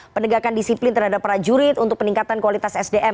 penegakan disiplin terhadap prajurit untuk peningkatan kualitas sdm